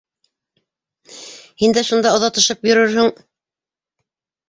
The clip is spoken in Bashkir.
Һин дә шунда оҙатышып йөрөрһөң.